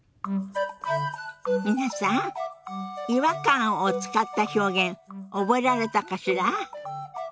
皆さん「違和感」を使った表現覚えられたかしら。